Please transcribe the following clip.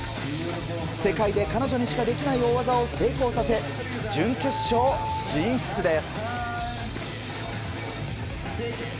世界で彼女にしかできない大技を成功させ準決勝進出です。